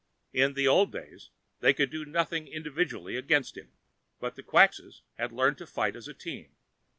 In the old days, they could do nothing individually against him. But the Quxas had learned to fight as a team.